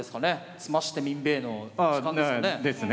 詰ましてみんべぇの時間ですかね。ですね。